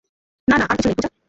না না, আর কিছু নেই, পূজা।